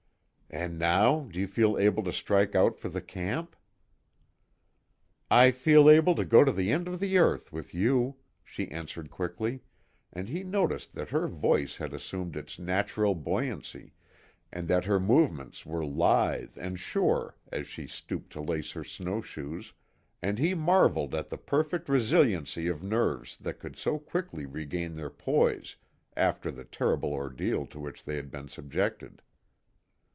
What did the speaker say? "And, now, do you feel able to strike out for the camp?" "I feel able to go to the end of the earth, with you," she answered quickly, and he noticed that her voice had assumed its natural buoyancy, and that her movements were lithe and sure as she stooped to lace her snowshoes, and he marveled at the perfect resiliency of nerves that could so quickly regain their poise after the terrible ordeal to which they had been subjected.